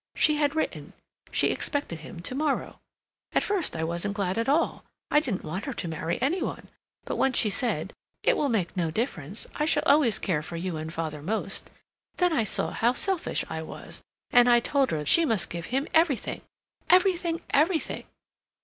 She had written. She expected him to morrow. At first I wasn't glad at all. I didn't want her to marry any one; but when she said, 'It will make no difference. I shall always care for you and father most,' then I saw how selfish I was, and I told her she must give him everything, everything, everything!